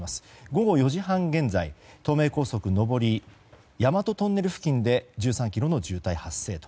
午後４時半現在東名高速上り大和トンネル付近で１３ｋｍの渋滞発生と。